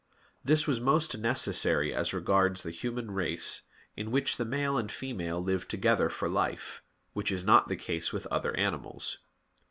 This was most necessary as regards the human race, in which the male and female live together for life; which is not the case with other animals.